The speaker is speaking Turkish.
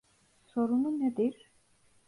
Sorunu nedir?